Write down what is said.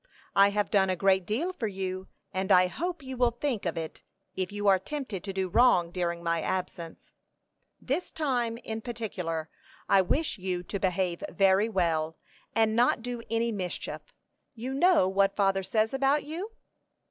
I have done a great deal for you, and I hope you will think of it if you are tempted to do wrong during my absence. This time, in particular, I wish you to behave very well, and not do any mischief. You know what father says about you?"